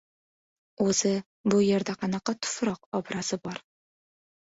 O‘zi, bu yerda qanaqa "tufroq" obrazi bor?